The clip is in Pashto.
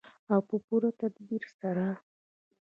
او په پوره تدبیر سره.